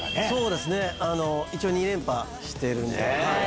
そうですね一応２連覇してるんで。